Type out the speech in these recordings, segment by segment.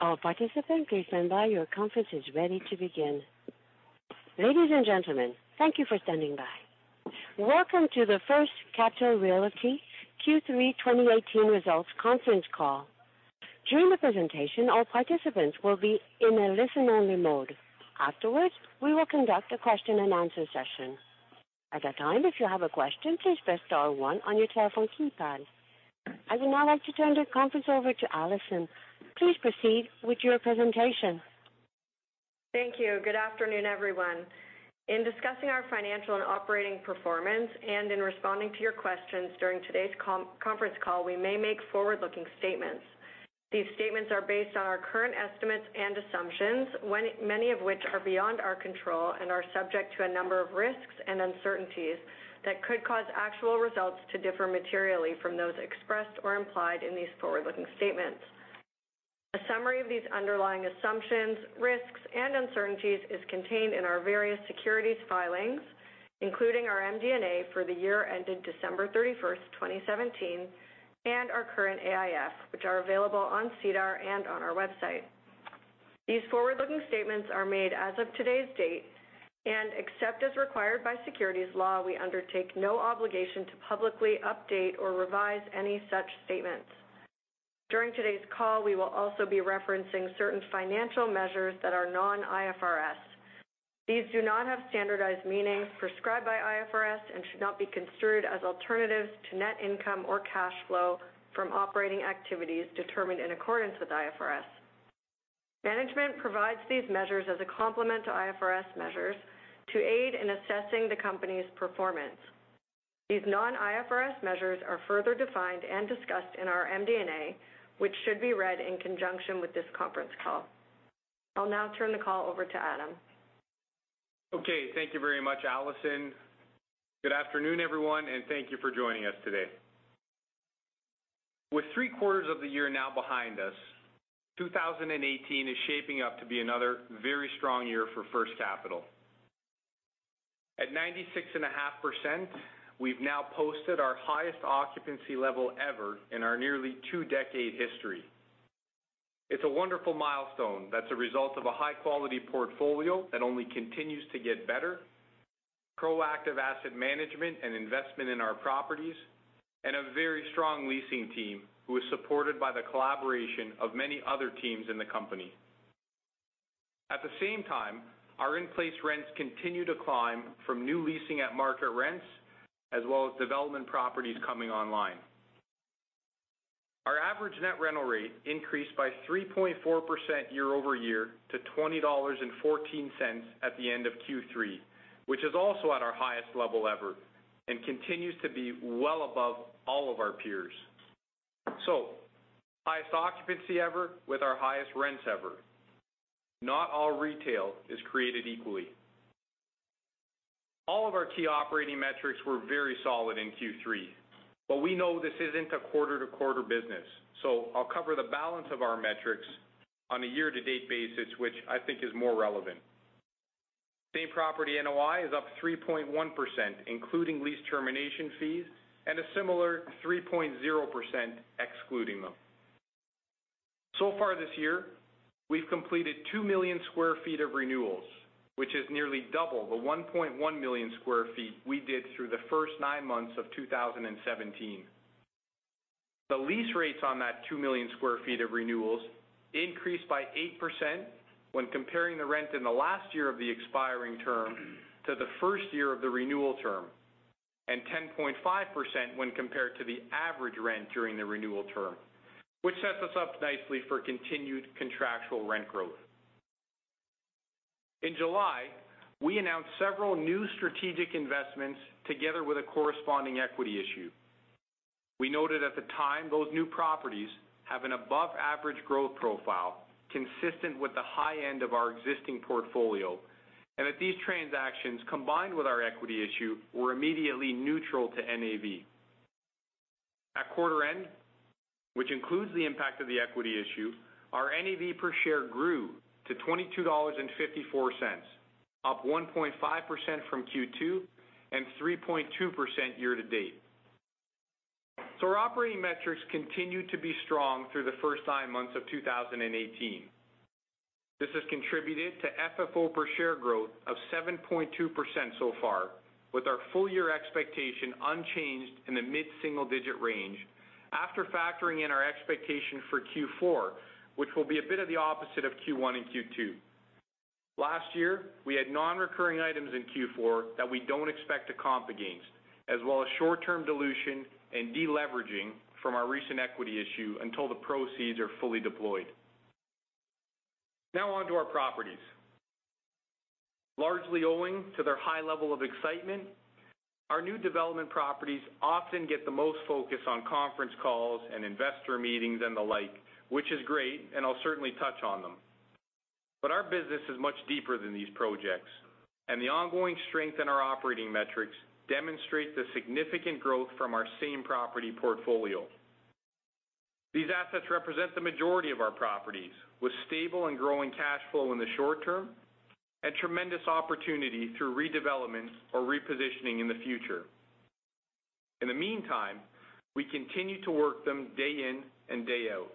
All participants, please stand by. Your conference is ready to begin. Ladies and gentlemen, thank you for standing by. Welcome to the First Capital Realty Q3 2018 Results Conference Call. During the presentation, all participants will be in a listen-only mode. Afterwards, we will conduct a question-and-answer session. At that time, if you have a question, please press star one on your telephone keypad. I would now like to turn the conference over to Alison. Please proceed with your presentation. Thank you. Good afternoon, everyone. In discussing our financial and operating performance, and in responding to your questions during today's conference call, we may make forward-looking statements. These statements are based on our current estimates and assumptions, many of which are beyond our control and are subject to a number of risks and uncertainties that could cause actual results to differ materially from those expressed or implied in these forward-looking statements. A summary of these underlying assumptions, risks, and uncertainties is contained in our various securities filings, including our MD&A for the year ended December 31st, 2017, and our current AIF, which are available on SEDAR and on our website. These forward-looking statements are made as of today's date, and except as required by securities law, we undertake no obligation to publicly update or revise any such statements. During today's call, we will also be referencing certain financial measures that are non-IFRS. These do not have standardized meanings prescribed by IFRS and should not be construed as alternatives to net income or cash flow from operating activities determined in accordance with IFRS. Management provides these measures as a complement to IFRS measures to aid in assessing the company's performance. These non-IFRS measures are further defined and discussed in our MD&A, which should be read in conjunction with this conference call. I'll now turn the call over to Adam. Okay. Thank you very much, Alison. Good afternoon, everyone, and thank you for joining us today. With three quarters of the year now behind us, 2018 is shaping up to be another very strong year for First Capital. At 96.5%, we've now posted our highest occupancy level ever in our nearly two-decade history. It's a wonderful milestone that's a result of a high-quality portfolio that only continues to get better, proactive asset management and investment in our properties, and a very strong leasing team who is supported by the collaboration of many other teams in the company. At the same time, our in-place rents continue to climb from new leasing at market rents, as well as development properties coming online. Our average net rental rate increased by 3.4% year-over-year to 20.14 dollars at the end of Q3, which is also at our highest level ever, and continues to be well above all of our peers. Highest occupancy ever with our highest rents ever. Not all retail is created equally. All of our key operating metrics were very solid in Q3, we know this isn't a quarter-to-quarter business, I'll cover the balance of our metrics on a year-to-date basis, which I think is more relevant. Same property NOI is up 3.1%, including lease termination fees, and a similar 3.0% excluding them. Far this year, we've completed 2 million square feet of renewals, which is nearly double the 1.1 million square feet we did through the first nine months of 2017. The lease rates on that 2 million square feet of renewals increased by 8% when comparing the rent in the last year of the expiring term to the first year of the renewal term, and 10.5% when compared to the average rent during the renewal term, which sets us up nicely for continued contractual rent growth. In July, we announced several new strategic investments together with a corresponding equity issue. We noted at the time those new properties have an above-average growth profile consistent with the high end of our existing portfolio, and that these transactions, combined with our equity issue, were immediately neutral to NAV. At quarter end, which includes the impact of the equity issue, our NAV per share grew to 22.54 dollars, up 1.5% from Q2 and 3.2% year-to-date. Our operating metrics continued to be strong through the first nine months of 2018. This has contributed to FFO per share growth of 7.2% so far, with our full-year expectation unchanged in the mid-single-digit range after factoring in our expectation for Q4, which will be a bit of the opposite of Q1 and Q2. Last year, we had non-recurring items in Q4 that we don't expect to comp against, as well as short-term dilution and de-leveraging from our recent equity issue until the proceeds are fully deployed. On to our properties. Largely owing to their high level of excitement, our new development properties often get the most focus on conference calls and investor meetings and the like, which is great, and I'll certainly touch on them. Our business is much deeper than these projects, and the ongoing strength in our operating metrics demonstrate the significant growth from our same property portfolio. These assets represent the majority of our properties, with stable and growing cash flow in the short term and tremendous opportunity through redevelopment or repositioning in the future. In the meantime, we continue to work them day in and day out.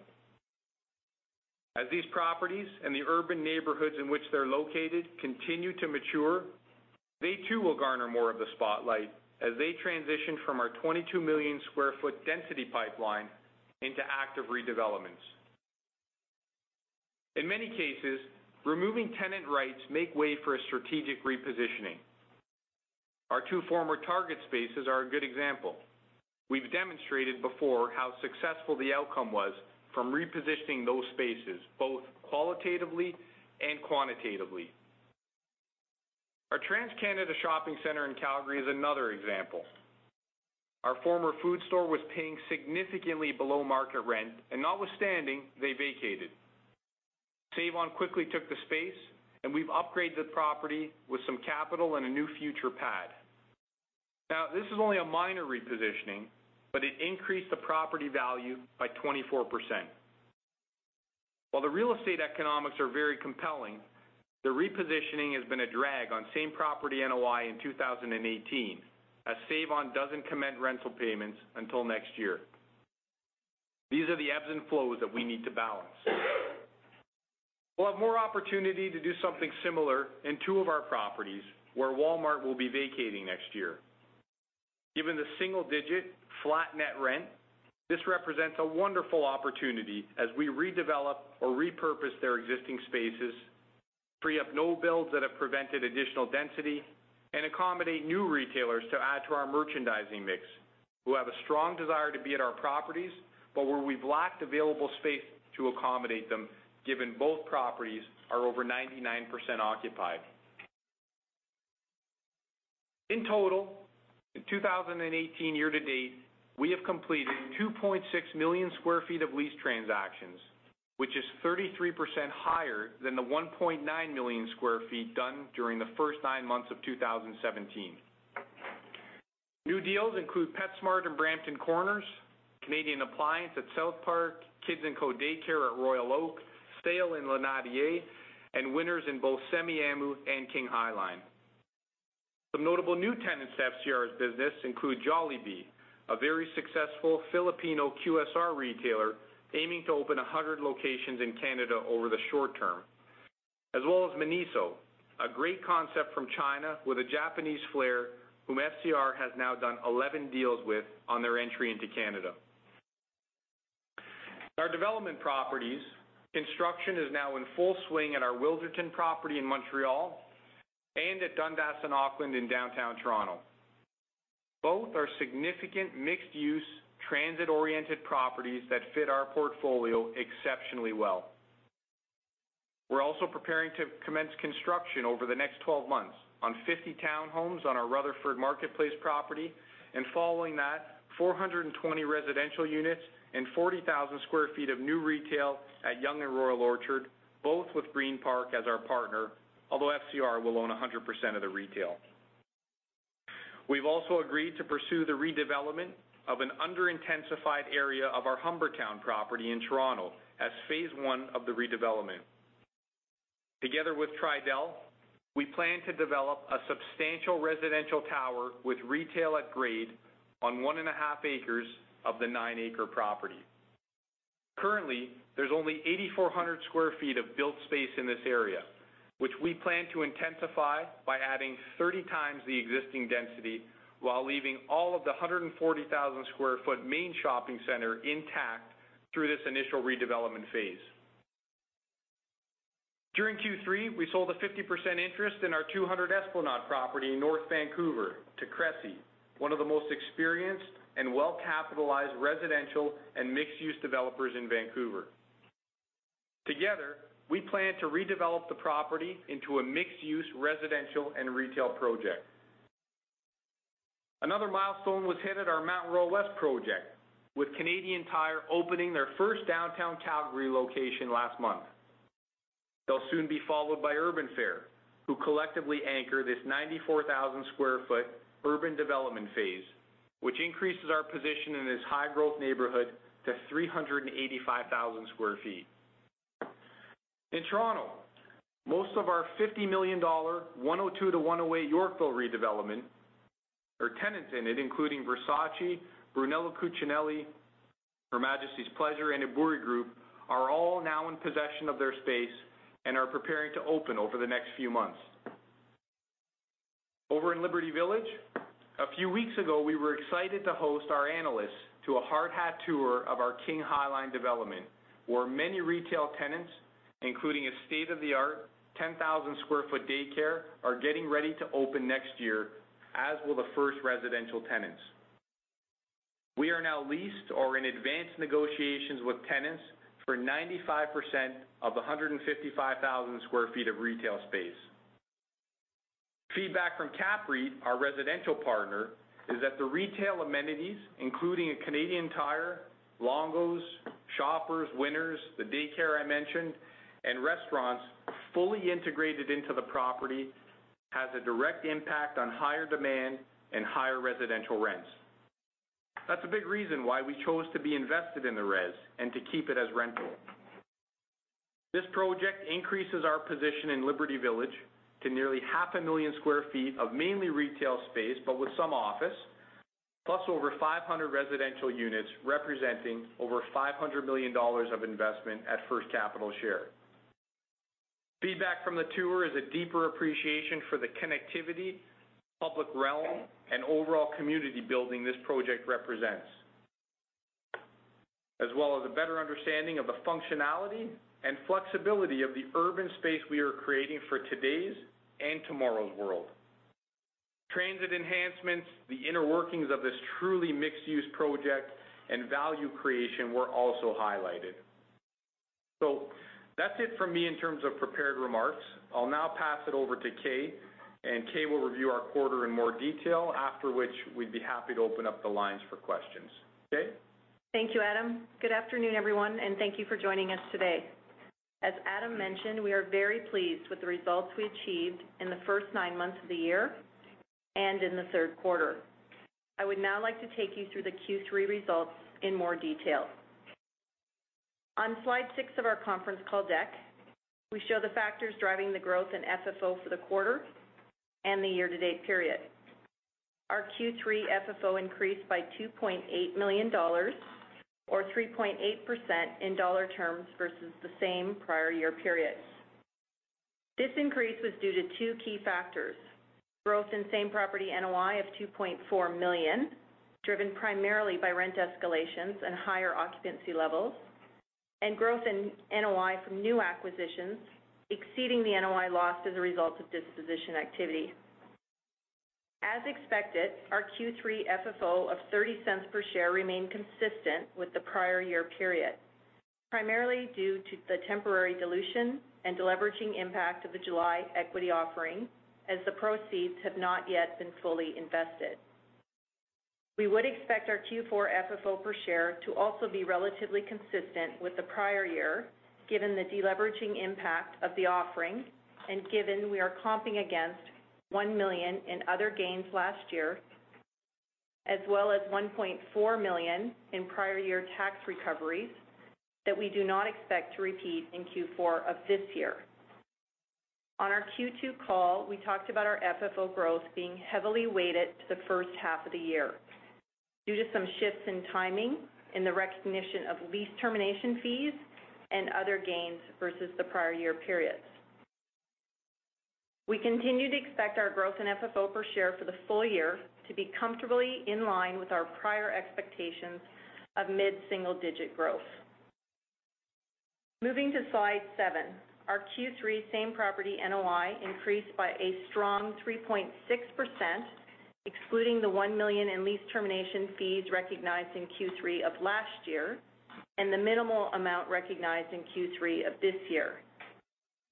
As these properties and the urban neighborhoods in which they're located continue to mature, they too will garner more of the spotlight as they transition from our 22-million-square-foot density pipeline into active redevelopments. In many cases, removing tenant rights make way for a strategic repositioning. Our 2 former Target spaces are a good example. We've demonstrated before how successful the outcome was from repositioning those spaces, both qualitatively and quantitatively. Our TransCanada shopping center in Calgary is another example. Our former food store was paying significantly below-market rent, and notwithstanding, they vacated. Save-On quickly took the space, and we've upgraded the property with some capital and a new future pad. This is only a minor repositioning, but it increased the property value by 24%. While the real estate economics are very compelling, the repositioning has been a drag on same property NOI in 2018, as Save-On doesn't commence rental payments until next year. These are the ebbs and flows that we need to balance. We'll have more opportunity to do something similar in two of our properties, where Walmart will be vacating next year. Given the single-digit flat net rent, this represents a wonderful opportunity as we redevelop or repurpose their existing spaces, free up no-builds that have prevented additional density, and accommodate new retailers to add to our merchandising mix, who have a strong desire to be at our properties but where we've lacked available space to accommodate them, given both properties are over 99% occupied.In 2018 year to date, we have completed 2.6 million square feet of lease transactions, which is 33% higher than the 1.9 million square feet done during the first nine months of 2017. New deals include PetSmart and Brampton Corners, Canadian Appliance at South Park, Kids & Co Daycare at Royal Oak, SAIL in L'Acadie and Winners in both Semiahmoo and King High Line. Some notable new tenants to FCR's business include Jollibee, a very successful Filipino QSR retailer aiming to open 100 locations in Canada over the short term, as well as MINISO, a great concept from China with a Japanese flair, whom FCR has now done 11 deals with on their entry into Canada. In our development properties, construction is now in full swing at our Wilderton property in Montreal and at Dundas and Auckland in downtown Toronto. Both are significant mixed-use, transit-oriented properties that fit our portfolio exceptionally well. We're also preparing to commence construction over the next 12 months on 50 townhomes on our Rutherford Marketplace property, and following that, 420 residential units and 40,000 square feet of new retail at Yonge and Royal Orchard, both with Green Park as our partner, although FCR will own 100% of the retail. We've also agreed to pursue the redevelopment of an under-intensified area of our Humbertown property in Toronto as phase 1 of the redevelopment. Together with Tridel, we plan to develop a substantial residential tower with retail at grade on one and a half acres of the nine-acre property. There's only 8,400 square feet of built space in this area, which we plan to intensify by adding 30 times the existing density while leaving all of the 140,000 square foot main shopping center intact through this initial redevelopment phase. During Q3, we sold a 50% interest in our 200 Esplanade property in North Vancouver to Cressey, one of the most experienced and well-capitalized residential and mixed-use developers in Vancouver. Together, we plan to redevelop the property into a mixed-use residential and retail project. Another milestone was hit at our Mount Royal West project, with Canadian Tire opening their first downtown Calgary location last month. They'll soon be followed by Urban Fare, who collectively anchor this 94,000 square foot urban development phase, which increases our position in this high-growth neighborhood to 385,000 square feet. In Toronto, most of our 50 million dollar, 102 to 108 Yorkville redevelopment, our tenants in it, including Versace, Brunello Cucinelli, Her Majesty's Pleasure, and ABURI Group, are all now in possession of their space and are preparing to open over the next few months. Over in Liberty Village, a few weeks ago, we were excited to host our analysts to a hard hat tour of our King High Line development. Where many retail tenants, including a state-of-the-art 10,000 sq ft daycare, are getting ready to open next year, as will the first residential tenants. We are now leased or in advanced negotiations with tenants for 95% of 155,000 sq ft of retail space. Feedback from CAPREIT, our residential partner, is that the retail amenities, including a Canadian Tire, Longo's, Shoppers, Winners, the daycare I mentioned, and restaurants fully integrated into the property, has a direct impact on higher demand and higher residential rents. That is a big reason why we chose to be invested in the res and to keep it as rental. This project increases our position in Liberty Village to nearly half a million sq ft of mainly retail space, but with some office, plus over 500 residential units, representing over 500 million dollars of investment at First Capital share. Feedback from the tour is a deeper appreciation for the connectivity, public realm, and overall community building this project represents. As well as a better understanding of the functionality and flexibility of the urban space we are creating for today's and tomorrow's world. Transit enhancements, the inner workings of this truly mixed-use project, and value creation were also highlighted. That is it from me in terms of prepared remarks. I will now pass it over to Kay will review our quarter in more detail, after which we would be happy to open up the lines for questions. Kay? Thank you, Adam. Good afternoon, everyone, and thank you for joining us today. As Adam mentioned, we are very pleased with the results we achieved in the first nine months of the year and in the third quarter. I would now like to take you through the Q3 results in more detail. On slide six of our conference call deck, we show the factors driving the growth in FFO for the quarter and the year-to-date period. Our Q3 FFO increased by 2.8 million dollars, or 3.8% in dollar terms versus the same prior year periods. This increase was due to two key factors, growth in same-property NOI of 2.4 million, driven primarily by rent escalations and higher occupancy levels, and growth in NOI from new acquisitions exceeding the NOI loss as a result of disposition activity. As expected, our Q3 FFO of 0.30 per share remained consistent with the prior year period, primarily due to the temporary dilution and deleveraging impact of the July equity offering, as the proceeds have not yet been fully invested. We would expect our Q4 FFO per share to also be relatively consistent with the prior year, given the deleveraging impact of the offering and given we are comping against 1 million in other gains last year, as well as 1.4 million in prior year tax recoveries that we do not expect to repeat in Q4 of this year. On our Q2 call, we talked about our FFO growth being heavily weighted to the first half of the year due to some shifts in timing in the recognition of lease termination fees and other gains versus the prior year periods. We continue to expect our growth in FFO per share for the full year to be comfortably in line with our prior expectations of mid-single-digit growth. Moving to slide seven, our Q3 same-property NOI increased by a strong 3.6%, excluding the 1 million in lease termination fees recognized in Q3 of last year and the minimal amount recognized in Q3 of this year.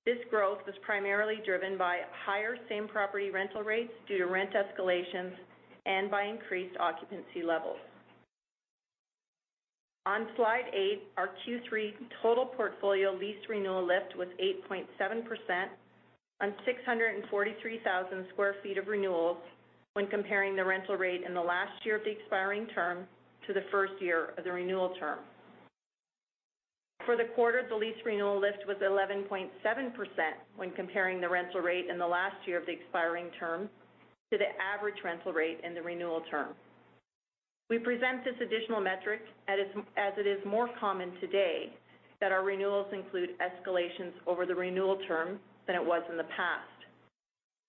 This growth was primarily driven by higher same-property rental rates due to rent escalations and by increased occupancy levels. On slide eight, our Q3 total portfolio lease renewal lift was 8.7% on 643,000 sq ft of renewals when comparing the rental rate in the last year of the expiring term to the first year of the renewal term. For the quarter, the lease renewal lift was 11.7% when comparing the rental rate in the last year of the expiring term to the average rental rate in the renewal term. We present this additional metric as it is more common today that our renewals include escalations over the renewal term than it was in the past.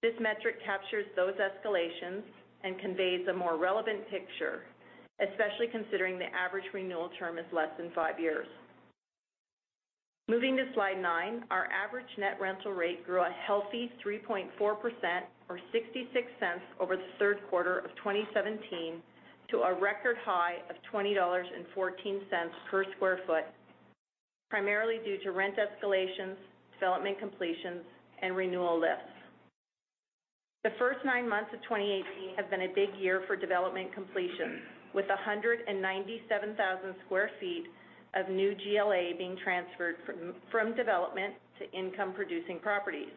This metric captures those escalations and conveys a more relevant picture, especially considering the average renewal term is less than five years. Moving to slide nine, our average net rental rate grew a healthy 3.4%, or 0.66 over the third quarter of 2017 to a record high of 20.14 dollars per sq ft, primarily due to rent escalations, development completions, and renewal lifts. The first nine months of 2018 have been a big year for development completions, with 197,000 sq ft of new GLA being transferred from development to income-producing properties.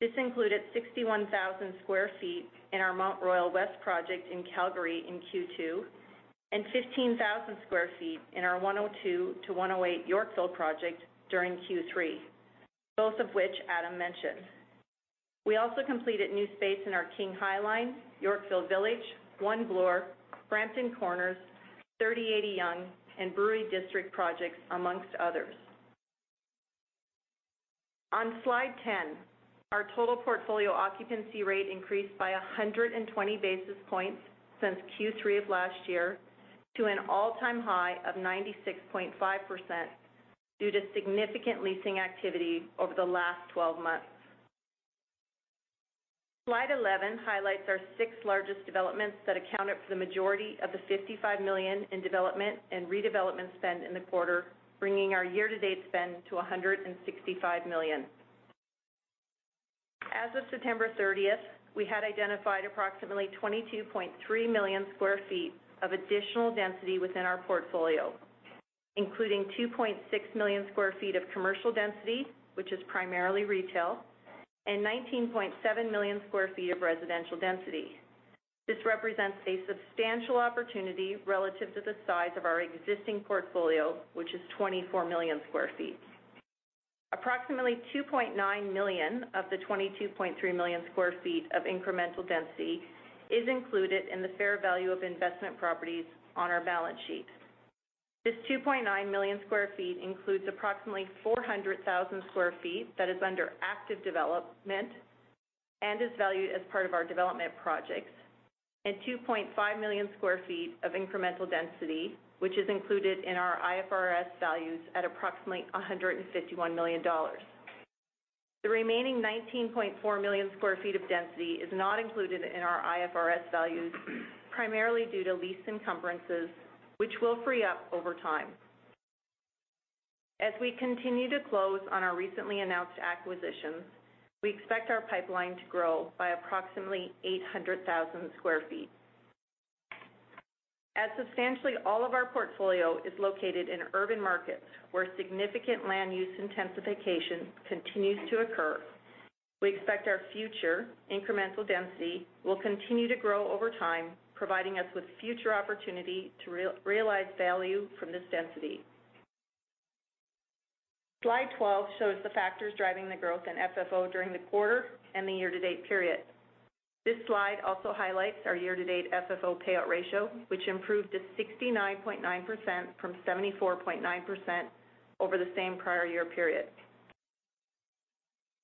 This included 61,000 sq ft in our Mount Royal West project in Calgary in Q2 and 15,000 sq ft in our 102 to 108 Yorkville project during Q3, both of which Adam mentioned. We also completed new space in our King High Line, Yorkville Village, One Bloor, Brampton Corners, 3080 Yonge, and Brewery District projects, amongst others. On slide 10, our total portfolio occupancy rate increased by 120 basis points since Q3 of last year to an all-time high of 96.5% due to significant leasing activity over the last 12 months. Slide 11 highlights our six largest developments that accounted for the majority of the 55 million in development and redevelopment spend in the quarter, bringing our year-to-date spend to 165 million. As of September 30th, we had identified approximately 22.3 million sq ft of additional density within our portfolio, including 2.6 million sq ft of commercial density, which is primarily retail, and 19.7 million sq ft of residential density. This represents a substantial opportunity relative to the size of our existing portfolio, which is 24 million sq ft. Approximately 2.9 million of the 22.3 million sq ft of incremental density is included in the fair value of investment properties on our balance sheet. This 2.9 million sq ft includes approximately 400,000 sq ft that is under active development and is valued as part of our development projects, and 2.5 million sq ft of incremental density, which is included in our IFRS values at approximately 151 million dollars. The remaining 19.4 million sq ft of density is not included in our IFRS values, primarily due to lease encumbrances, which will free up over time. As we continue to close on our recently announced acquisitions, we expect our pipeline to grow by approximately 800,000 sq ft. As substantially all of our portfolio is located in urban markets, where significant land use intensification continues to occur, we expect our future incremental density will continue to grow over time, providing us with future opportunity to realize value from this density. Slide 12 shows the factors driving the growth in FFO during the quarter and the year-to-date period. This slide also highlights our year-to-date FFO payout ratio, which improved to 69.9% from 74.9% over the same prior year period.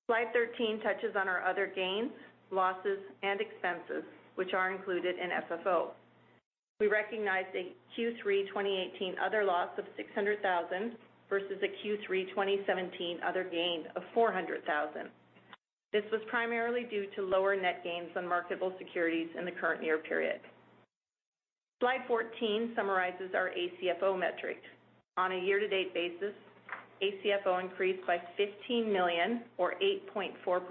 Slide 13 touches on our other gains, losses, and expenses, which are included in FFO. We recognized a Q3 2018 other loss of 600,000 versus a Q3 2017 other gain of 400,000. This was primarily due to lower net gains on marketable securities in the current year period. Slide 14 summarizes our ACFO metric. On a year-to-date basis, ACFO increased by 15 million, or 8.4%,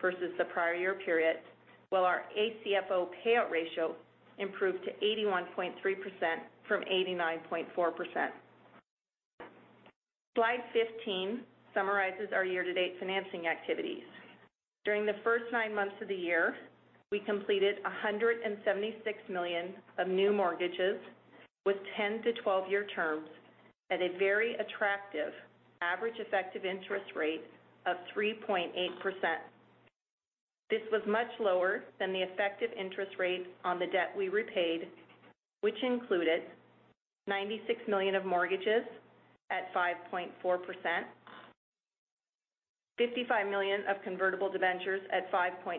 versus the prior year period, while our ACFO payout ratio improved to 81.3% from 89.4%. Slide 15 summarizes our year-to-date financing activities. During the first nine months of the year, we completed 176 million of new mortgages with 10 to 12-year terms at a very attractive average effective interest rate of 3.8%. This was much lower than the effective interest rate on the debt we repaid, which included 96 million of mortgages at 5.4%, 55 million of convertible debentures at 5.3%,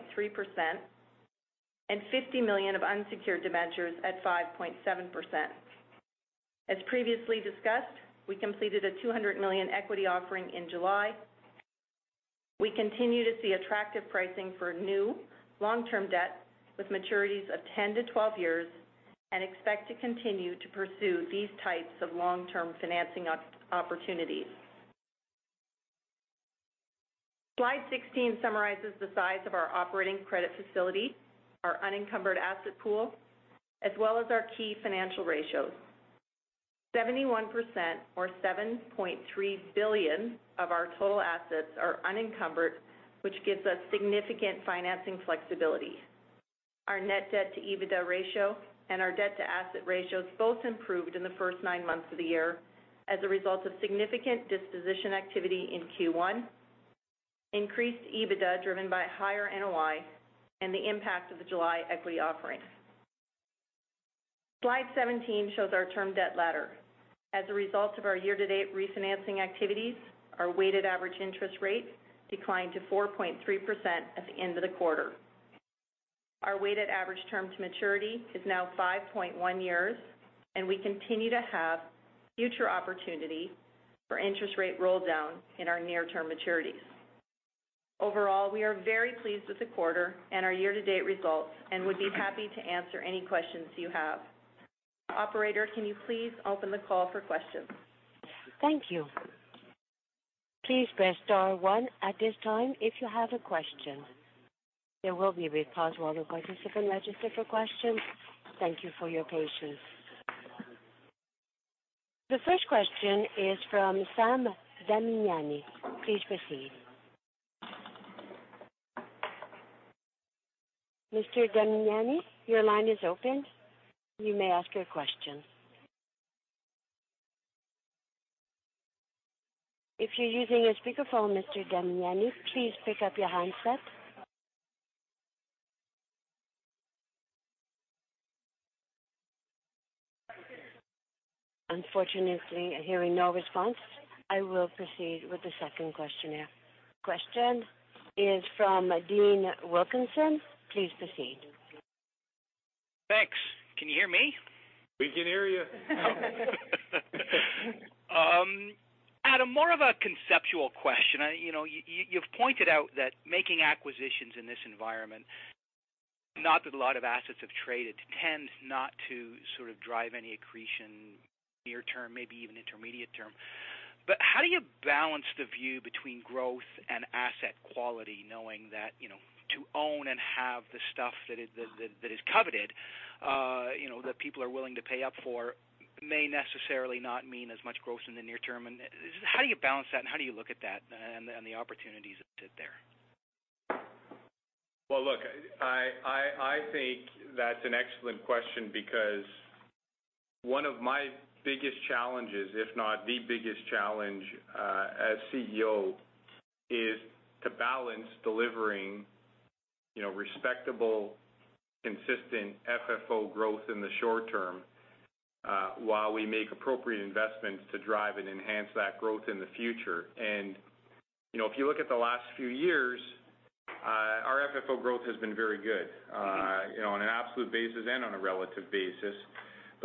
and 50 million of unsecured debentures at 5.7%. As previously discussed, we completed a 200 million equity offering in July. We continue to see attractive pricing for new long-term debt with maturities of 10 to 12 years, and expect to continue to pursue these types of long-term financing opportunities. Slide 16 summarizes the size of our operating credit facility, our unencumbered asset pool, as well as our key financial ratios. 71%, or 7.3 billion of our total assets are unencumbered, which gives us significant financing flexibility. Our net debt to EBITDA ratio and our debt-to-asset ratios both improved in the first nine months of the year as a result of significant disposition activity in Q1, increased EBITDA driven by higher NOI, and the impact of the July equity offering. Slide 17 shows our term debt ladder. As a result of our year-to-date refinancing activities, our weighted average interest rate declined to 4.3% at the end of the quarter. Our weighted average term to maturity is now 5.1 years, and we continue to have future opportunity for interest rate roll-down in our near-term maturities. Overall, we are very pleased with the quarter and our year-to-date results and would be happy to answer any questions you have. Operator, can you please open the call for questions? Thank you. Please press star one at this time if you have a question. There will be a brief pause while the participants register for questions. Thank you for your patience. The first question is from Sam Damiani. Please proceed. Mr. Damiani, your line is open. You may ask your question. If you're using a speakerphone, Mr. Damiani, please pick up your handset. Unfortunately, hearing no response, I will proceed with the second question now. Question is from Dean Wilkinson. Please proceed. Thanks. Can you hear me? We can hear you. Adam, more of a conceptual question. You've pointed out that making acquisitions in this environment, not that a lot of assets have traded, tend not to sort of drive any accretion near term, maybe even intermediate term. How do you balance the view between growth and asset quality, knowing that to own and have the stuff that is coveted that people are willing to pay up for may necessarily not mean as much growth in the near term. How do you balance that, and how do you look at that and the opportunities that sit there? Well, look, I think that's an excellent question because one of my biggest challenges, if not the biggest challenge, as CEO is to balance delivering respectable, consistent FFO growth in the short term, while we make appropriate investments to drive and enhance that growth in the future. If you look at the last few years, our FFO growth has been very good on an absolute basis and on a relative basis.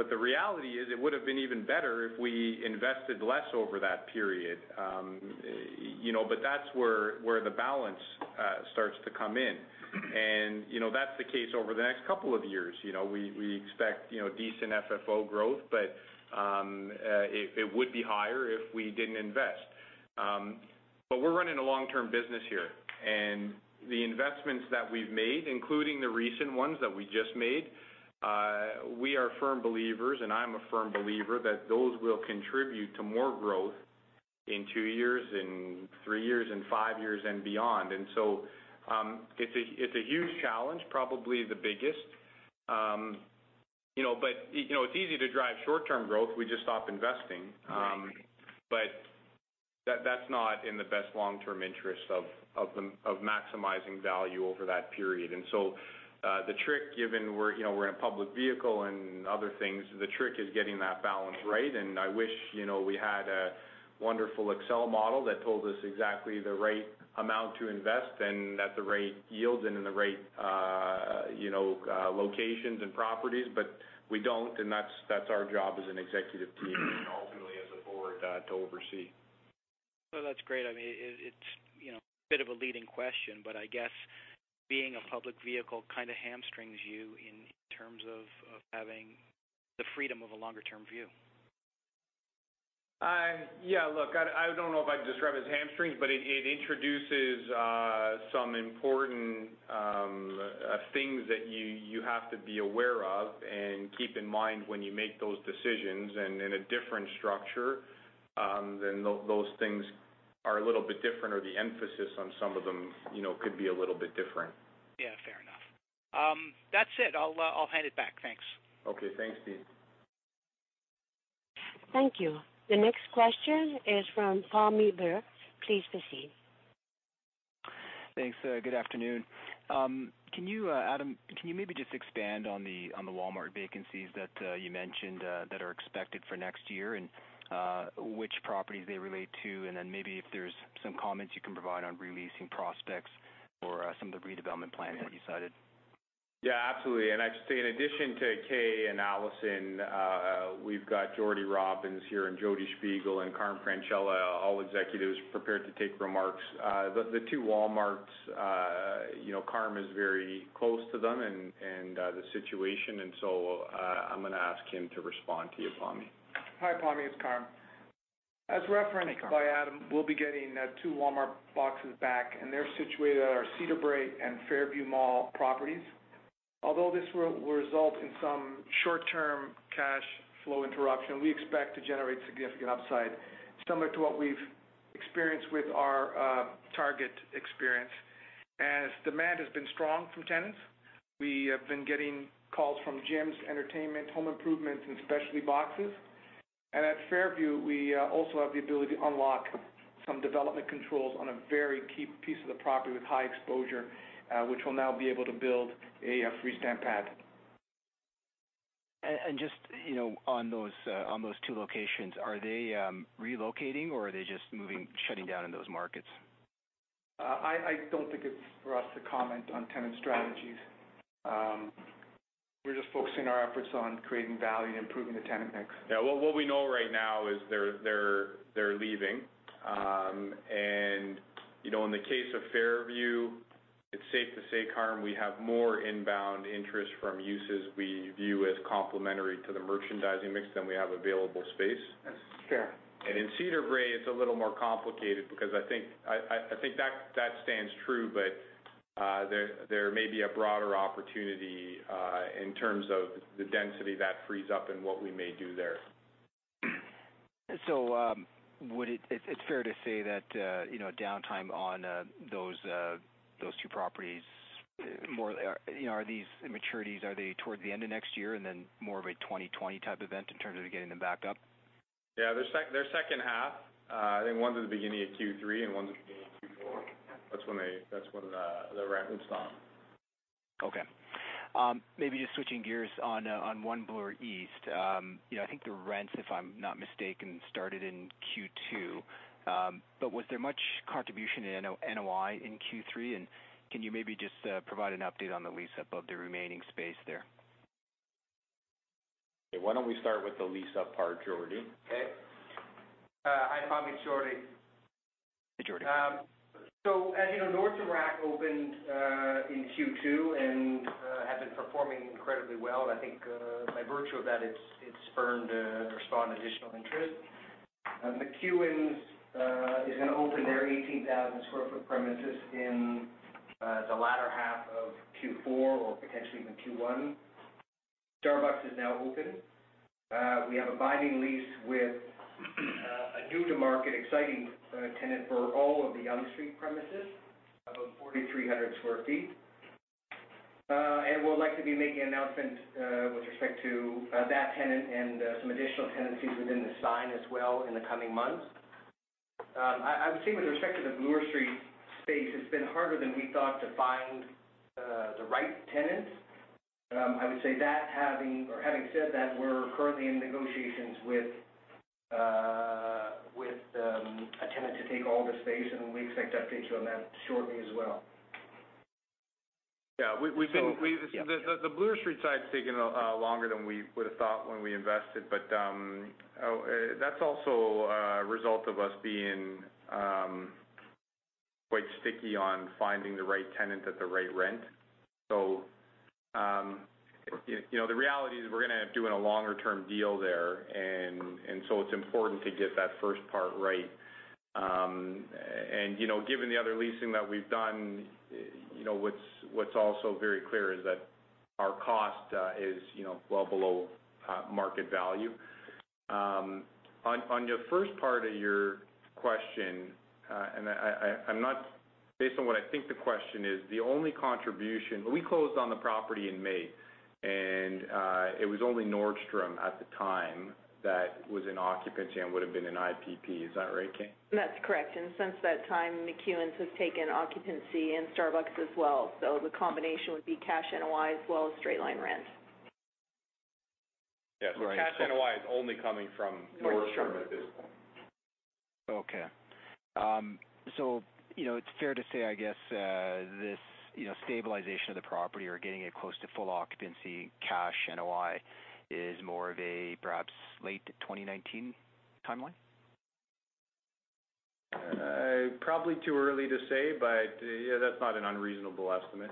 The reality is, it would've been even better if we invested less over that period. That's where the balance starts to come in. That's the case over the next couple of years. We expect decent FFO growth, but it would be higher if we didn't invest. We're running a long-term business here, and the investments that we've made, including the recent ones that we just made, we are firm believers, and I'm a firm believer, that those will contribute to more growth in two years, in three years, in five years, and beyond. It's a huge challenge, probably the biggest. It's easy to drive short-term growth. We just stop investing. Right. That's not in the best long-term interest of maximizing value over that period. Given we're a public vehicle and other things, the trick is getting that balance right. I wish we had a wonderful Excel model that told us exactly the right amount to invest and at the right yields and in the right locations and properties. We don't, and that's our job as an executive team and ultimately as a board, to oversee. No, that's great. It's a bit of a leading question, but I guess being a public vehicle kind of hamstrings you in terms of having the freedom of a longer-term view. Yeah. Look, I don't know if I'd describe it as hamstrings, but it introduces some important things that you have to be aware of and keep in mind when you make those decisions. In a different structure, those things are a little bit different, or the emphasis on some of them could be a little bit different. Yeah, fair enough. That's it. I'll hand it back. Thanks. Okay, thanks, Dean. Thank you. The next question is from Pammi Bir. Please proceed. Thanks. Good afternoon. Adam, can you maybe just expand on the Walmart vacancies that you mentioned that are expected for next year and which properties they relate to? Then maybe if there's some comments you can provide on re-leasing prospects for some of the redevelopment plans that you cited. Yeah, absolutely. I'd say, in addition to Kay and Alison, we've got Jordie Robins here, Jody Shpigel, and Carm Francella, all executives prepared to take remarks. The two Walmarts, Carm is very close to them and the situation, so I'm going to ask him to respond to you, Pammi. Hi, Pammi. It's Carm. Hi, Carm. As referenced by Adam, we'll be getting two Walmart boxes back, and they're situated at our Cedarbrae and Fairview Mall properties. Although this will result in some short-term cash flow interruption, we expect to generate significant upside similar to what we've experienced with our Target experience. As demand has been strong from tenants, we have been getting calls from gyms, entertainment, home improvements, and specialty boxes. At Fairview, we also have the ability to unlock some development controls on a very key piece of the property with high exposure, which will now be able to build a free-stand pad. Just on those two locations, are they relocating, or are they just shutting down in those markets? I don't think it's for us to comment on tenant strategies. We're just focusing our efforts on creating value and improving the tenant mix. Yeah. What we know right now is they're leaving. In the case of Fairview, it's safe to say, Carm, we have more inbound interest from uses we view as complementary to the merchandising mix than we have available space. Yes. Fair. In Cedarbrae, it's a little more complicated because I think that stands true, but there may be a broader opportunity in terms of the density that frees up and what we may do there. It's fair to say that downtime on those two properties, these maturities, are they toward the end of next year and then more of a 2020 type event in terms of getting them back up? They're second half. I think one's at the beginning of Q3, and one's at the beginning of Q4. That's when the rent moves on. Maybe just switching gears on One Bloor East. I think the rents, if I'm not mistaken, started in Q2. Was there much contribution in NOI in Q3, and can you maybe just provide an update on the lease-up of the remaining space there? Why don't we start with the lease-up part, Jordie? Hi, Pammi. It's Jordie. Hey, Jordie. As you know, Nordstrom Rack opened in Q2 and has been performing incredibly well. I think, by virtue of that, it's spurned or spawned additional interest. McEwan is going to open their 18,000 sq ft premises in the latter half of Q4 or potentially even Q1. Starbucks is now open. We have a binding lease with a new-to-market, exciting tenant for all of the Yonge Street premises, about 4,300 sq ft. We'd like to be making an announcement with respect to that tenant and some additional tenancies within the sign as well in the coming months. I would say with respect to the Bloor Street space, it's been harder than we thought to find the right tenant. Having said that, we're currently in negotiations with a tenant to take all the space, and we expect to update you on that shortly as well. Yeah. The Bloor Street side's taken longer than we would've thought when we invested, but that's also a result of us being quite sticky on finding the right tenant at the right rent. The reality is we're going to end up doing a longer-term deal there, and so it's important to get that first part right. Given the other leasing that we've done, what's also very clear is that our cost is well below market value. On the first part of your question, based on what I think the question is, the only contribution We closed on the property in May, and it was only Nordstrom at the time that was in occupancy and would've been an IPP. Is that right, Kay? That's correct. Since that time, McEwan has taken occupancy, and Starbucks as well. The combination would be cash NOI as well as straight-line rent. Yeah. Cash NOI is only coming from Nordstrom Nordstrom at this point. Okay. It's fair to say, I guess, this stabilization of the property or getting it close to full occupancy, cash NOI is more of a perhaps late 2019 timeline? Probably too early to say, yeah, that's not an unreasonable estimate.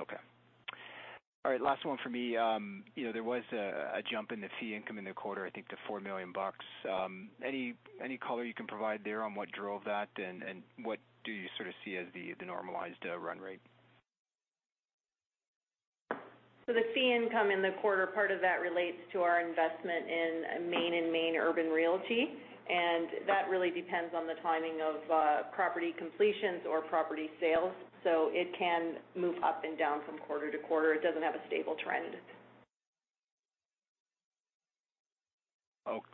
Okay. All right, last one from me. There was a jump in the fee income in the quarter, I think, to 4 million bucks. Any color you can provide there on what drove that and what do you sort of see as the normalized run rate? The fee income in the quarter, part of that relates to our investment in Main and Main Urban Realty, that really depends on the timing of property completions or property sales. It can move up and down from quarter to quarter. It doesn't have a stable trend.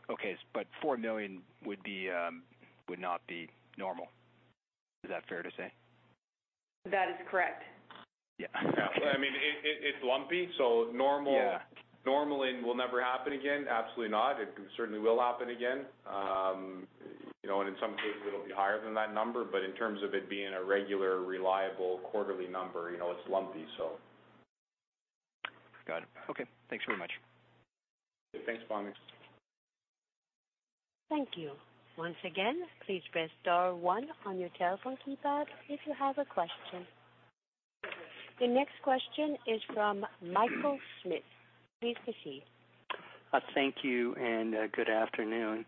Okay, 4 million would not be normal. Is that fair to say? That is correct. Yeah. Yeah. It's lumpy. Yeah normal will never happen again, absolutely not. It certainly will happen again. In some cases, it'll be higher than that number, but in terms of it being a regular, reliable quarterly number, it's lumpy. Got it. Okay, thanks very much. Thanks, Pammi. Thank you. Once again, please press star one on your telephone keypad if you have a question. The next question is from Michael Markidis. Please proceed. Thank you. Good afternoon.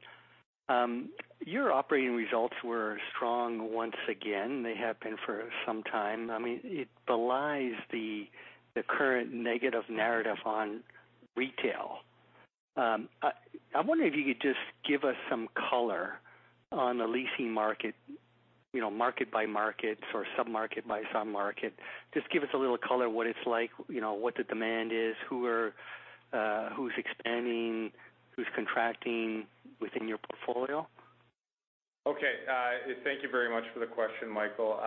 Your operating results were strong once again. They have been for some time. It belies the current negative narrative on retail. I wonder if you could just give us some color on the leasing market by market or sub-market by sub-market. Just give us a little color what it's like, what the demand is, who's expanding, who's contracting within your portfolio. Okay. Thank you very much for the question, Michael.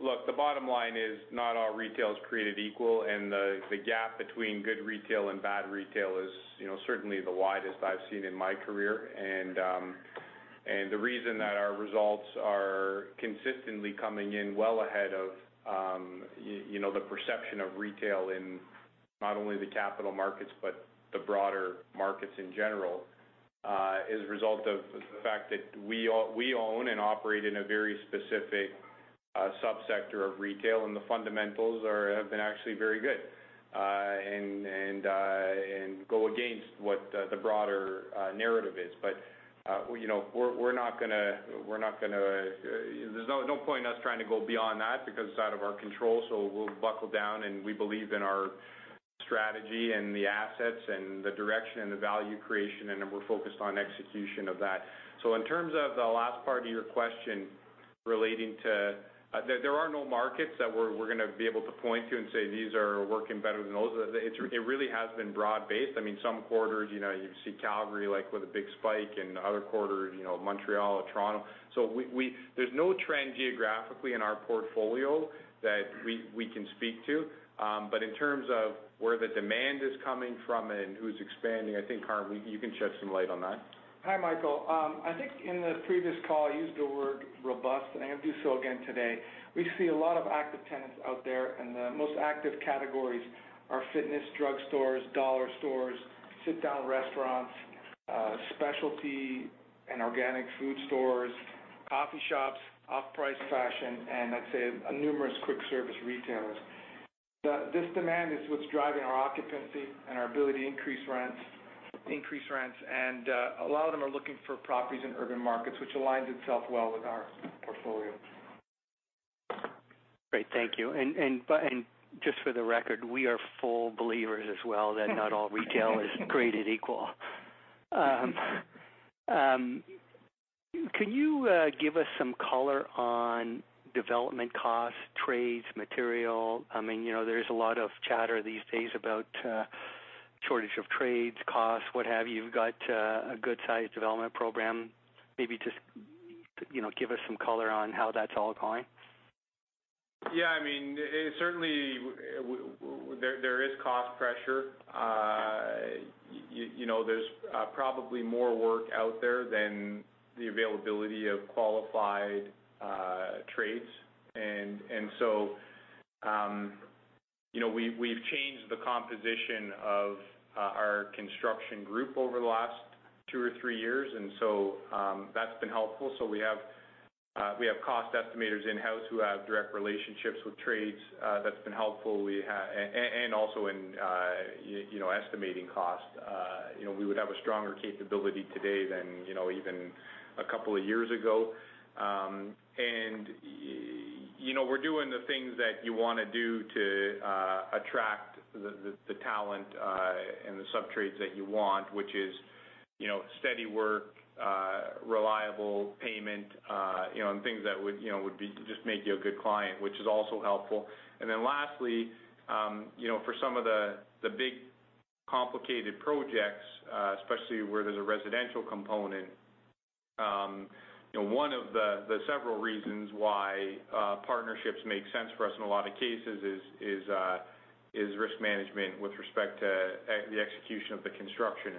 Look, the bottom line is not all retail is created equal. The gap between good retail and bad retail is certainly the widest I've seen in my career. The reason that our results are consistently coming in well ahead of the perception of retail in not only the capital markets but the broader markets in general, is a result of the fact that we own and operate in a very specific sub-sector of retail and the fundamentals have been actually very good and go against what the broader narrative is. There's no point in us trying to go beyond that because it's out of our control, so we'll buckle down. We believe in our strategy and the assets and the direction and the value creation, and then we're focused on execution of that. In terms of the last part of your question relating to, there are no markets that we're going to be able to point to and say, "These are working better than those." It really has been broad-based. Some quarters, you see Calgary with a big spike. In other quarters, Montreal or Toronto. There's no trend geographically in our portfolio that we can speak to. In terms of where the demand is coming from and who's expanding, I think, Carmine, you can shed some light on that. Hi, Michael. I think in the previous call, I used the word robust, and I'm going to do so again today. We see a lot of active tenants out there, and the most active categories are fitness, drugstores, dollar stores, sit-down restaurants, specialty And organic food stores, coffee shops, off-price fashion, and I'd say numerous quick-service retailers. This demand is what's driving our occupancy and our ability to increase rents. A lot of them are looking for properties in urban markets, which aligns itself well with our portfolio. Great. Thank you. Just for the record, we are full believers as well that not all retail is created equal. Can you give us some color on development costs, trades, material? There's a lot of chatter these days about shortage of trades, costs, what have you. You've got a good-sized development program. Maybe just give us some color on how that's all going. Yeah. Certainly, there is cost pressure. There's probably more work out there than the availability of qualified trades. We've changed the composition of our construction group over the last two or three years, and so that's been helpful. We have cost estimators in-house who have direct relationships with trades. That's been helpful. Also in estimating cost, we would have a stronger capability today than even a couple of years ago. We're doing the things that you want to do to attract the talent and the subtrades that you want, which is steady work, reliable payment, and things that would just make you a good client, which is also helpful. Lastly, for some of the big, complicated projects, especially where there's a residential component, one of the several reasons why partnerships make sense for us in a lot of cases is risk management with respect to the execution of the construction.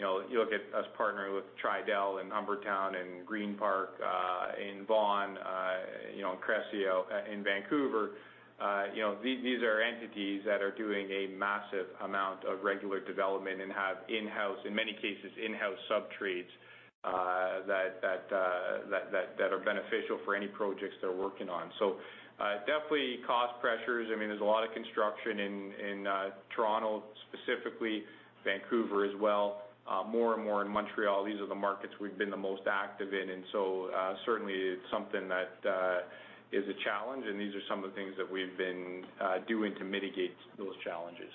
You look at us partnering with Tridel in Humbertown, in Greenpark Group, in Vaughan, and Cressey in Vancouver. These are entities that are doing a massive amount of regular development and have, in many cases, in-house subtrades, that are beneficial for any projects they're working on. Definitely cost pressures. There's a lot of construction in Toronto, specifically, Vancouver as well. More and more in Montreal. These are the markets we've been the most active in. Certainly it's something that is a challenge, and these are some of the things that we've been doing to mitigate those challenges.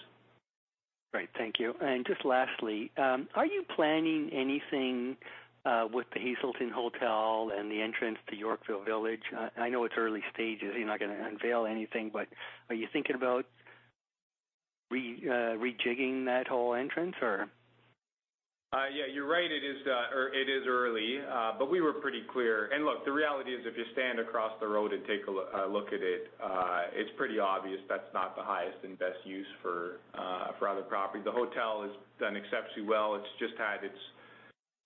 Great. Thank you. Just lastly, are you planning anything with The Hazelton Hotel and the entrance to Yorkville Village? I know it's early stages, you're not going to unveil anything, but are you thinking about rejigging that whole entrance? You're right. It is early. We were pretty clear. Look, the reality is, if you stand across the road and take a look at it's pretty obvious that's not the highest and best use for other property. The hotel has done exceptionally well. It's just had its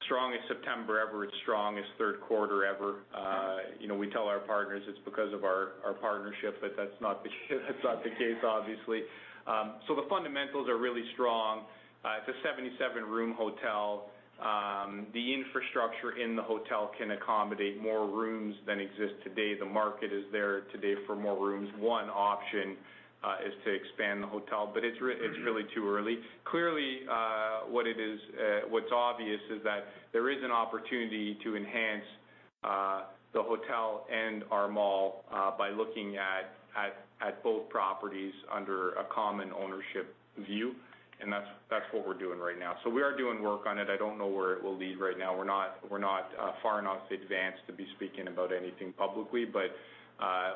strongest September ever, its strongest third quarter ever. We tell our partners it's because of our partnership, but that's not the case, obviously. The fundamentals are really strong. It's a 77-room hotel. The infrastructure in the hotel can accommodate more rooms than exist today. The market is there today for more rooms. One option is to expand the hotel, but it's really too early. Clearly, what's obvious is that there is an opportunity to enhance the hotel and our mall by looking at both properties under a common ownership view, and that's what we're doing right now. We are doing work on it. I don't know where it will lead right now. We're not far enough advanced to be speaking about anything publicly.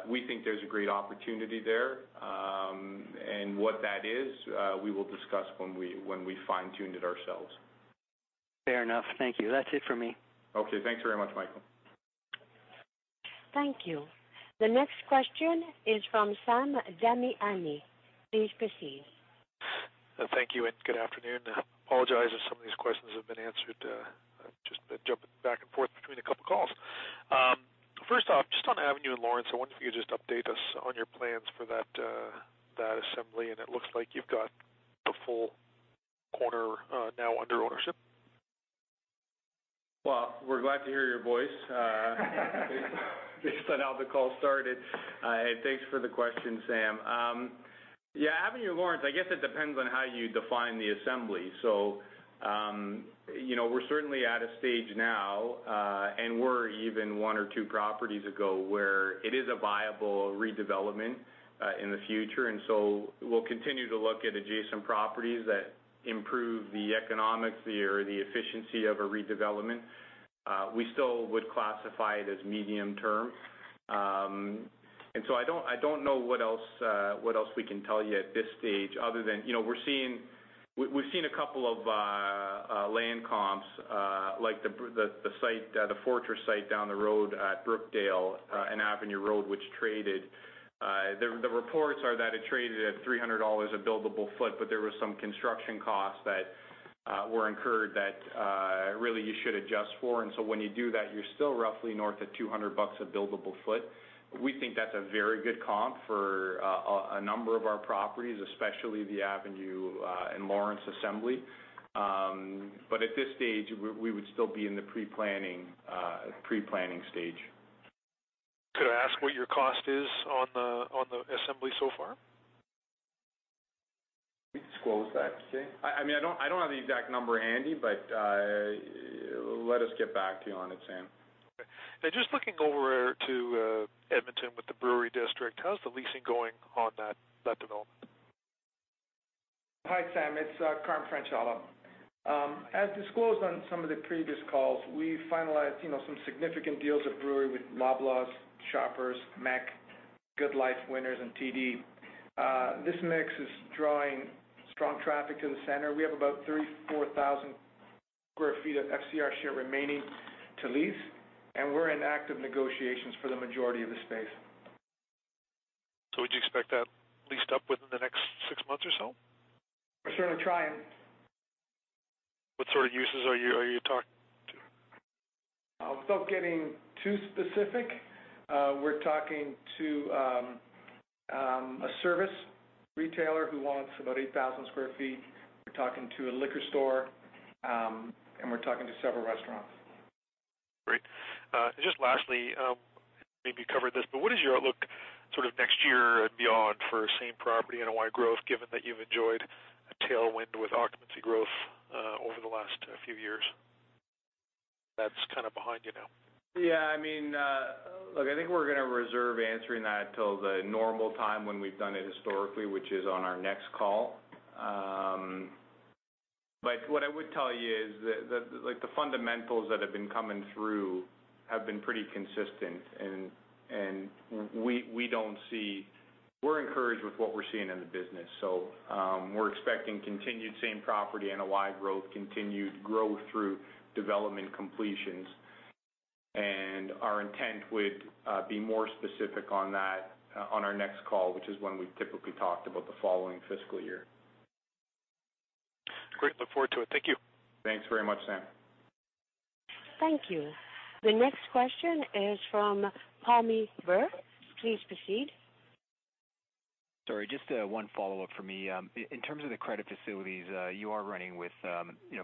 We think there's a great opportunity there. What that is, we will discuss when we fine-tune it ourselves. Fair enough. Thank you. That's it for me. Okay. Thanks very much, Michael. Thank you. The next question is from Sam Damiani. Please proceed. Thank you. Good afternoon. Apologize if some of these questions have been answered. I've just been jumping back and forth between a couple of calls. First off, just on Avenue and Lawrence, I wonder if you could just update us on your plans for that assembly. It looks like you've got the full quarter now under ownership. Well, we're glad to hear your voice based on how the call started. Thanks for the question, Sam. Yeah, Avenue and Lawrence, I guess it depends on how you define the assembly. We're certainly at a stage now, and were even one or two properties ago, where it is a viable redevelopment in the future. We'll continue to look at adjacent properties that improve the economics or the efficiency of a redevelopment. We still would classify it as medium-term. I don't know what else we can tell you at this stage other than we've seen a couple of land comps, like the Fortress site down the road at Brookdale and Avenue Road, which traded. The reports are that it traded at 300 dollars a buildable foot, but there was some construction costs that were incurred that really you should adjust for. When you do that, you're still roughly north of 200 bucks a buildable foot. We think that's a very good comp for a number of our properties, especially the Avenue and Lawrence assembly. At this stage, we would still be in the pre-planning stage. Ask what your cost is on the assembly so far. We disclose that, Sam. I don't have the exact number handy, let us get back to you on it, Sam. Okay. Just looking over to Edmonton with the Brewery District, how's the leasing going on that development? Hi, Sam. It's Carm Francella. As disclosed on some of the previous calls, we finalized some significant deals at Brewery with Loblaws, Shoppers, MEC, GoodLife, Winners, and TD. This mix is drawing strong traffic to the center. We have about 34,000 sq ft of FCR share remaining to lease, and we're in active negotiations for the majority of the space. Would you expect that leased up within the next six months or so? We're certainly trying. What sort of uses are you talking to? Without getting too specific, we're talking to a service retailer who wants about 8,000 square feet. We're talking to a liquor store. We're talking to several restaurants. Great. Just lastly, maybe you covered this, but what is your outlook sort of next year and beyond for same-property NOI growth, given that you've enjoyed a tailwind with occupancy growth, over the last few years? That's kind of behind you now. Yeah, look, I think we're going to reserve answering that till the normal time when we've done it historically, which is on our next call. What I would tell you is that the fundamentals that have been coming through have been pretty consistent, and we're encouraged with what we're seeing in the business. We're expecting continued same-property NOI growth, continued growth through development completions. Our intent would be more specific on that on our next call, which is when we've typically talked about the following fiscal year. Great. Look forward to it. Thank you. Thanks very much, Sam. Thank you. The next question is from Pammi Bir. Please proceed. Sorry, just one follow-up from me. In terms of the credit facilities, you are running with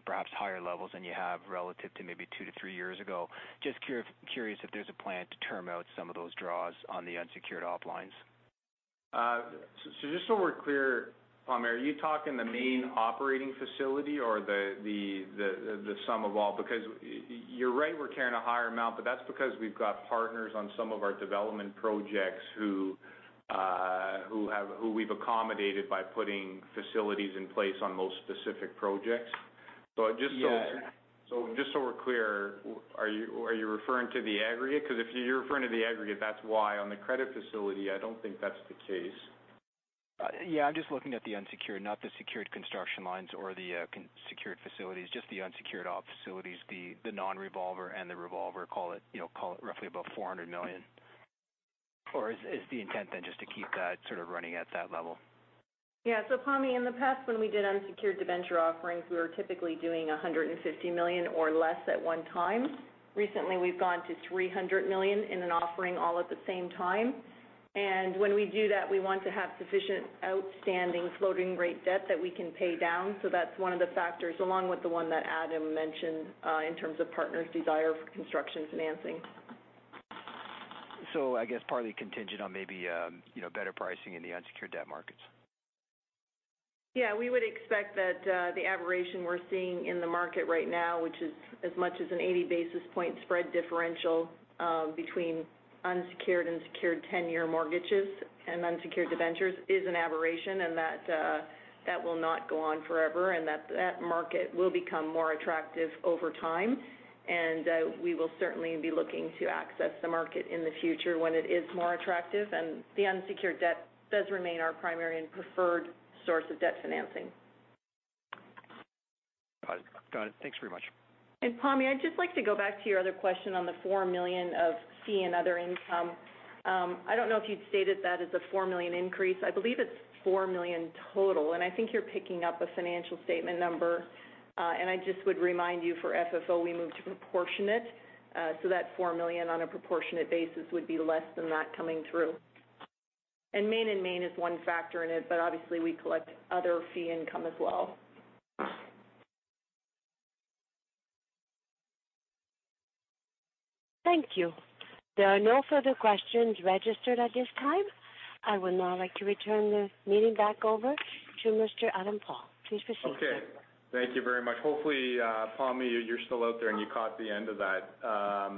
perhaps higher levels than you have relative to maybe two to three years ago. Just curious if there's a plan to term out some of those draws on the unsecured op-lines. Just so we're clear, Pammi, are you talking the main operating facility or the sum of all? Because you're right, we're carrying a higher amount, but that's because we've got partners on some of our development projects who we've accommodated by putting facilities in place on those specific projects. Yeah. Just so we're clear, are you referring to the aggregate? Because if you're referring to the aggregate, that's why. On the credit facility, I don't think that's the case. Yeah, I'm just looking at the unsecured, not the secured construction lines or the secured facilities, just the unsecured ops, so this will be, the non-revolver and the revolver, call it roughly about 400 million. Is the intent then just to keep that sort of running at that level? Pammi, in the past, when we did unsecured debenture offerings, we were typically doing 150 million or less at one time. Recently, we've gone to 300 million in an offering all at the same time. When we do that, we want to have sufficient outstanding floating rate debt that we can pay down. That's one of the factors along with the one that Adam mentioned, in terms of partners' desire for construction financing. I guess partly contingent on maybe better pricing in the unsecured debt markets. Yeah, we would expect that the aberration we're seeing in the market right now, which is as much as an 80-basis-point spread differential between unsecured and secured 10-year mortgages and unsecured debentures is an aberration and that will not go on forever, and that market will become more attractive over time. We will certainly be looking to access the market in the future when it is more attractive, and the unsecured debt does remain our primary and preferred source of debt financing. Got it. Thanks very much. Pammi, I'd just like to go back to your other question on the 4 million of fee and other income. I don't know if you'd stated that as a 4 million increase. I believe it's 4 million total, and I think you're picking up a financial statement number. I just would remind you, for FFO, we moved to proportionate, so that 4 million on a proportionate basis would be less than that coming through. Main and Main is one factor in it, but obviously, we collect other fee income as well. Thank you. There are no further questions registered at this time. I would now like to return the meeting back over to Mr. Adam Paul. Please proceed. Okay. Thank you very much. Hopefully, Pammi, you're still out there, and you caught the end of that.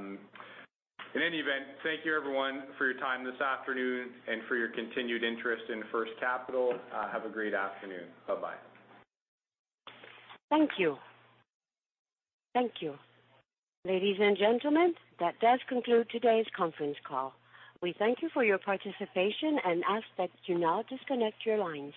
In any event, thank you everyone for your time this afternoon and for your continued interest in First Capital. Have a great afternoon. Bye-bye. Thank you. Thank you. Ladies and gentlemen, that does conclude today's conference call. We thank you for your participation and ask that you now disconnect your lines.